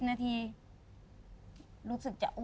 ๑๐นาทีรู้สึกจะอ้วก